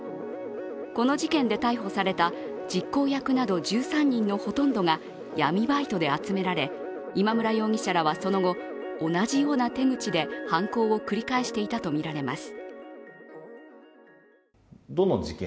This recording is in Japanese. この事件で逮捕された実行役など１３人のほとんどが闇バイトで集められ、今村容疑者らはその後、同じような手口で犯行を繰り返していたとみられます。